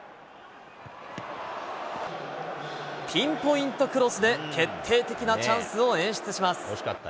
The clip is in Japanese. ピンポイントクロスで、決定的なチャンスを演出します。